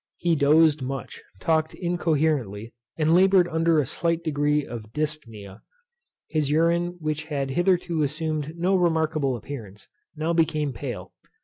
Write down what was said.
He dosed much; talked incoherently; and laboured under a slight degree of Dyspnæa. His urine, which had hitherto assumed no remarkable appearance, now became pale.